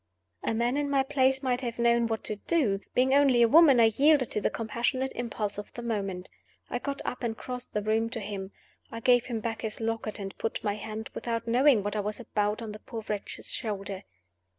A man in my place might have known what to do. Being only a woman, I yielded to the compassionate impulse of the moment. I got up and crossed the room to him. I gave him back his locket, and put my hand, without knowing what I was about, on the poor wretch's shoulder.